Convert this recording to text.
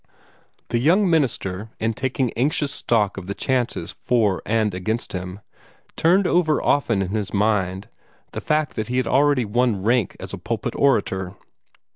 The young minister, in taking anxious stock of the chances for and against him, turned over often in his mind the fact that he had already won rank as a pulpit orator.